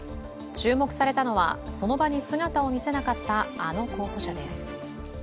注目されたのは、その場に姿を見せなかったあの候補者です。